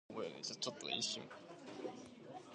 “What a story!” exclaimed his wife.